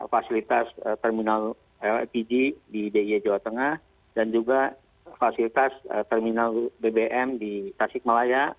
tiga fasilitas terminal lapd di dia jawa tengah dan juga fasilitas terminal bbm di tasikmalaya